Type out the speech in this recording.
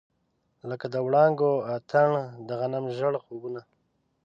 لکه د وړانګو اتڼ، د غنم ژړ خوبونه